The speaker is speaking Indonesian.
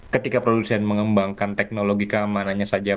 ketika produsen mengembangkan teknologi keamanannya saja